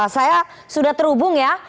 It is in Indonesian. saya sudah terhubung ya